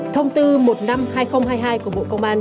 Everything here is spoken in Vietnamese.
thông tư một năm hai nghìn hai mươi hai của bộ công an